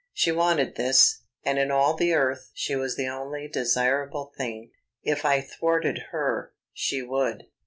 She wanted this, and in all the earth she was the only desirable thing. If I thwarted her she would